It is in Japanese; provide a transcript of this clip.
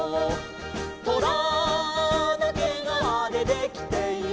「トラのけがわでできている」